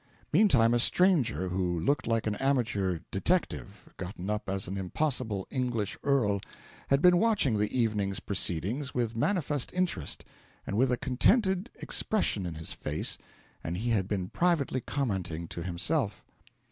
Meantime a stranger, who looked like an amateur detective gotten up as an impossible English earl, had been watching the evening's proceedings with manifest interest, and with a contented expression in his face; and he had been privately commenting to himself.